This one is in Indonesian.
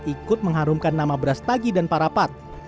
ikut mengharumkan nama beras tagi dan parapat